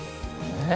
えっ？